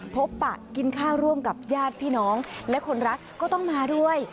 ปะกินข้าวร่วมกับญาติพี่น้องและคนรักก็ต้องมาด้วย